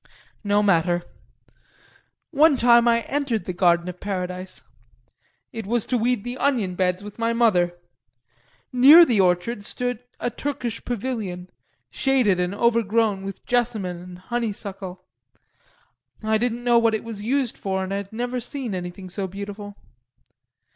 No matter! One time I entered the garden of paradise it was to weed the onion beds with my mother! Near the orchard stood a Turkish pavilion, shaded and overgrown with jessamine and honeysuckle. I didn't know what it was used for and I had never seen anything so beautiful.